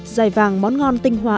dài vàng món ngon tinh hoa